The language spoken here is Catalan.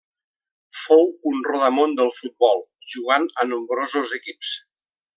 Fou un rodamón del futbol, jugant a nombrosos equips.